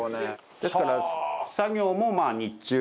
ですから作業も日中。